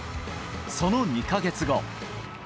その２か月後。